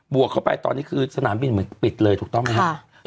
วกเข้าไปตอนนี้คือสนามบินเหมือนปิดเลยถูกต้องไหมครับ